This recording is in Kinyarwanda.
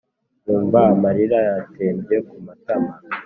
nkumva amarira yatembye kumatama